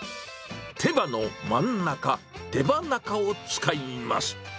手羽の真ん中、手羽中を使います。